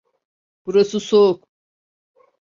Burası soğuk.